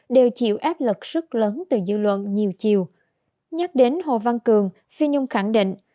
đều chịu áp lực rất lớn từ dư luận nhiều chiều nhắc đến hồ văn cường phi nhung khẳng định